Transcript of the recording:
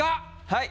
はい。